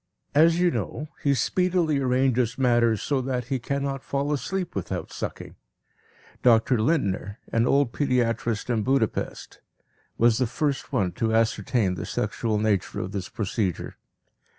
As you know, he speedily arranges matters so that he cannot fall asleep without sucking. Dr. Lindner, an old pediatrist in Budapest, was the first one to ascertain the sexual nature of this procedure.